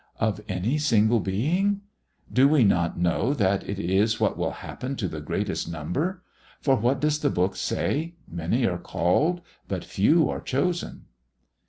"Of any single being? Do we not know that it is what will happen to the greatest number? For what does the Book say? 'Many are called but few are chosen.'"